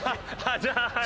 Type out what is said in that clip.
じゃあはい。